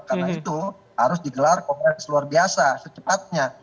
karena itu harus digelar kongres luar biasa secepatnya